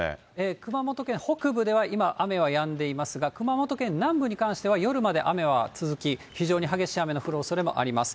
熊本県北部では今、雨はやんでいますが、熊本県南部に関しては夜まで雨は続き、非常に激しい雨の降るおそれもあります。